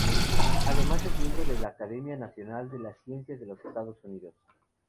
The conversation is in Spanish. Además es miembro de la Academia Nacional de las Ciencias de los Estados Unidos.